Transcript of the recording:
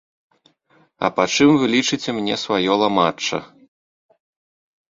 А па чым вы лічыце мне сваё ламачча?